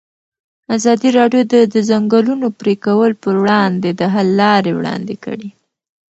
ازادي راډیو د د ځنګلونو پرېکول پر وړاندې د حل لارې وړاندې کړي.